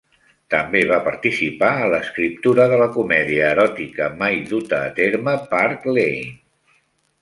També va participar a l'escriptura de la comèdia eròtica mai duta a terme "Park Lane".